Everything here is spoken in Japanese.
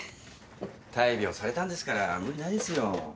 大病されたんですから無理ないですよ